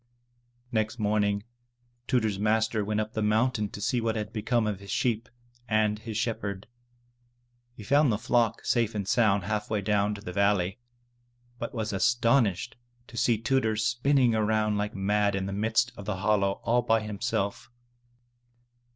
Next morning, Tudur's master went up the mountain to see 397 M Y BOOK HOUSE what had become of his sheep, and his shepherd. He found the flock safe and sound half way down to the valley, but was aston ished to see Tudur spinning around like mad in the midst of the hollow, all by himself.